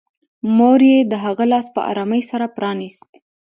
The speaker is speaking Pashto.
مور یې د هغه لاس په ارامۍ سره پرانيست